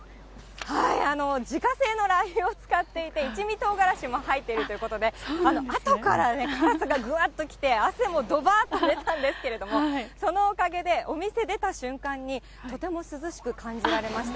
自家製のラー油を使っていて、一味とうがらしも入っているということで、後からね、辛さがぐわっときて、汗もどばーっと出たんですけれども、そのおかげでお店出た瞬間に、とても涼しく感じられました。